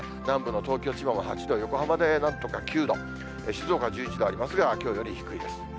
南部の東京、千葉も８度、横浜でなんとか９度、静岡１１度ありますが、きょうより低いです。